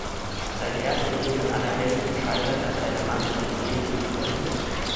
Seine erste Ehe mit Anna Held scheitert an seiner mangelnden ehelichen Treue.